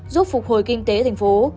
giúp phục hồi kinh tế thành phố